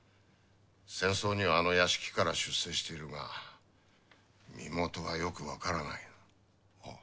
戦争にはあの屋敷から出征しているが身元がよくわからない。